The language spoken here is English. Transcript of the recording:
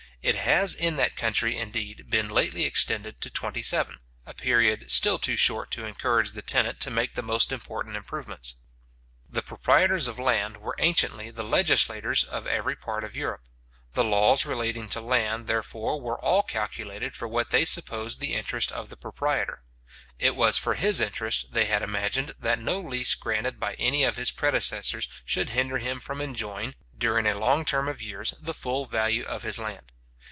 It has in that country, indeed, been lately extended to twentyseven, a period still too short to encourage the tenant to make the most important improvements. The proprietors of land were anciently the legislators of every part of Europe. The laws relating to land, therefore, were all calculated for what they supposed the interest of the proprietor. It was for his interest, they had imagined, that no lease granted by any of his predecessors should hinder him from enjoying, during a long term of years, the full value of his land.